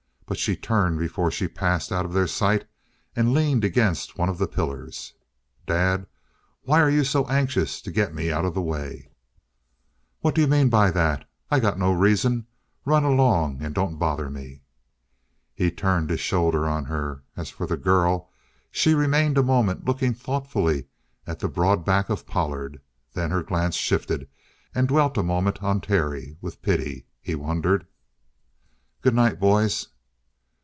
But she turned before she passed out of their sight and leaned against one of the pillars. "Dad, why you so anxious to get me out of the way?" "What d'you mean by that? I got no reason. Run along and don't bother me!" He turned his shoulder on her. As for the girl, she remained a moment, looking thoughtfully at the broad back of Pollard. Then her glance shifted and dwelt a moment on Terry with pity, he wondered? "Good night, boys!"